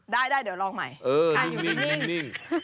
เดี๋ยวลองใหม่เออนิ่งนิ่งนิ่ง